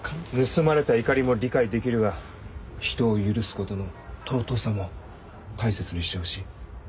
盗まれた怒りも理解できるがひとを許すことの尊さも大切にしてほしい。